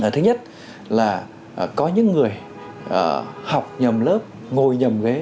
thứ nhất là có những người học nhầm lớp ngồi nhầm ghế